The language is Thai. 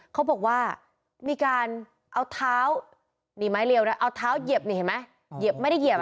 เขาบอกว่ามีการเอาเท้านี่ไม้เรียวนะเอาเท้าเหยียบนี่เห็นไหมเหยียบไม่ได้เหยียบ